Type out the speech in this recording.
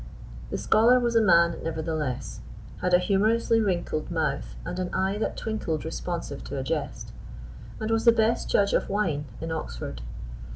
The scholar was a man, nevertheless; had a humorously wrinkled mouth, and an eye that twinkled responsive to a jest; and was the best judge of wine in Oxford.